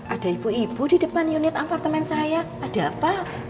ada ibu ibu di depan unit apartemen saya ada apa